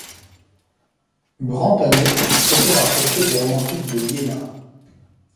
Brentano s'était rapproché des romantiques de Iéna.